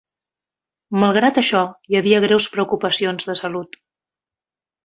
Malgrat això, hi havia greus preocupacions de salut.